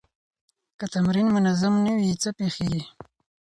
که تمرین منظم نه وي، څه پېښېږي؟